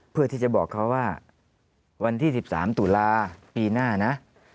เพื่อที่จะบอกเขาว่าวันที่๑๓ตุลาปีหน้านะ